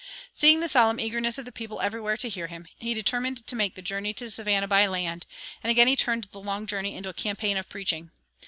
Seeing the solemn eagerness of the people everywhere to hear him, he determined to make the journey to Savannah by land, and again he turned the long journey into a campaign of preaching.